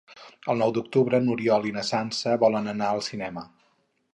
El nou d'octubre n'Oriol i na Sança volen anar al cinema.